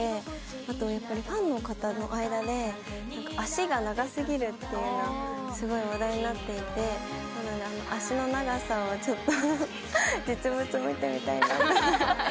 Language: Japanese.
あと、ファンの方の間で足が長すぎるっていうのがすごい話題になっていて足の長さを実物を見てみたいなと。